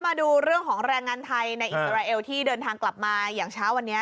มาดูเรื่องของแรงงานไทยในอิสราเอลที่เดินทางกลับมาอย่างเช้าวันนี้